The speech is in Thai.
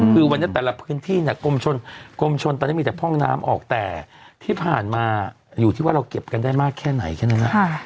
คือวันนี้แต่ละพื้นที่เนี่ยกรมชนตอนนี้มีแต่พ่องน้ำออกแต่ที่ผ่านมาอยู่ที่ว่าเราเก็บกันได้มากแค่ไหนแค่นั้นนะ